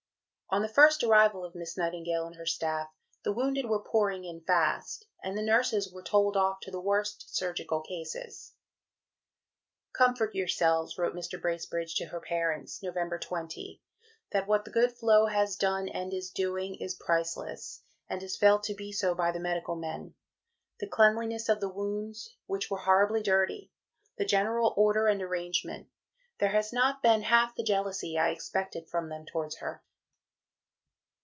See Pincoffs, p. 79. Eastern Hospitals, vol. i. p. 71. Notes, p. 152. On the first arrival of Miss Nightingale and her staff, the wounded were pouring in fast, and the nurses were told off to the worst surgical cases: "Comfort yourselves," wrote Mr. Bracebridge to her parents (Nov. 20), "that what the good Flo has done and is doing is priceless, and is felt to be so by the medical men the cleanliness of the wounds, which were horribly dirty, the general order and arrangement. There has not been half the jealousy I expected from them towards her."